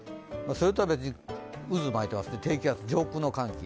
それとは別に、渦を巻いています、低気圧、上空の寒気。